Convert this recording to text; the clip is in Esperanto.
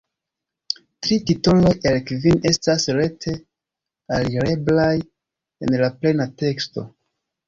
Tri titoloj el kvin estas rete alireblaj en plena teksto.